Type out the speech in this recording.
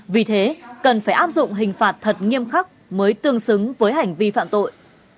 vì thế cần phải áp dụng hình phạt thật nghiêm khắc mới tương xứng với hành vi phạm tội